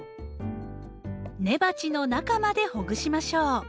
根鉢の中までほぐしましょう。